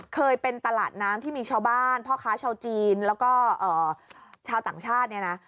เคยเป็นตลาดน้ำที่มีชาวบ้านพ่อค้าชาวจีนแล้วก็ชาวต่างชาติเนี่ยนะ